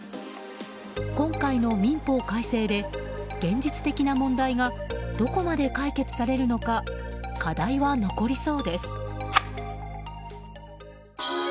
今回の民法改正で現実的な問題がどこまで解決されるのか課題は残りそうです。